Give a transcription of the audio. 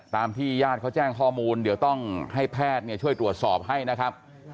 ตามที่ญาติเขาแจ้งข้อมูลเดี๋ยวต้องให้แพทย์ช่วยตรวจสอบให้นะครับ